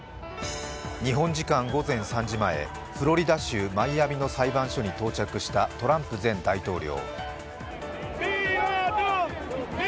日本時間午前３時前、フロリダ州マイアミの裁判所に到着したトランプ前大統領。